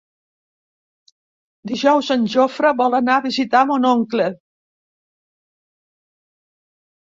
Dijous en Jofre vol anar a visitar mon oncle.